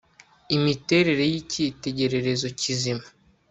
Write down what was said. Imiterere yicyitegererezo kizima